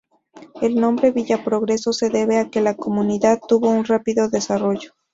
El nombre Villa Progreso se debe a que la comunidad tuvo un rápido desarrollo.